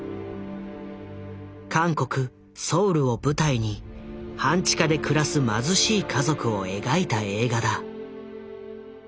韓国・ソウルを舞台に半地下で暮らす貧しい家族を描いた映画だ。